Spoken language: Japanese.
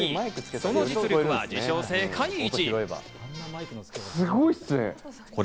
その実力は自称・世界一。